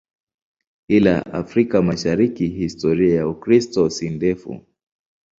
Ila Afrika Mashariki historia ya Ukristo si ndefu.